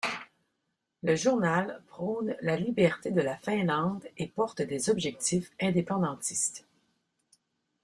Le journal prône la liberté de la Finlande et porte des objectifs indépendantistes.